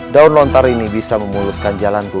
daun lontar ini bisa memuluskan jalanku